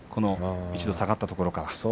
一度下がったところから。